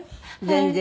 全然。